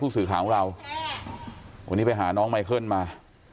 สื่อข่าวของเราวันนี้ไปหาน้องไมเคิลมา